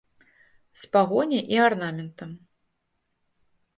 З пагоняй і арнаментам.